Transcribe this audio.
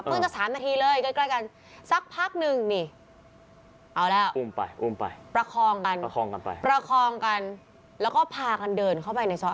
จะสามนาทีเลยใกล้ใกล้กันสักพักหนึ่งนี่เอาแล้วอุ้มไปอุ้มไปประคองกันประคองกันไปประคองกันแล้วก็พากันเดินเข้าไปในซอย